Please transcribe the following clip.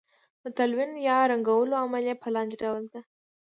د تلوین یا رنګولو عملیه په لاندې ډول ده.